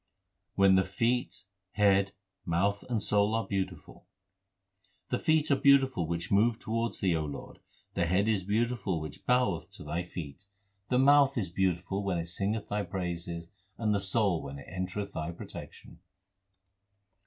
When the feet, head, mouth and soul are beau tiful : The feet are beautiful which move towards Thee, O Lord ; the head is beautiful which boweth to Thy feet ; 414 THE SIKH RELIGION The mouth is beautiful when it singeth Thy praises ; and the soul when it entereth Thy protection.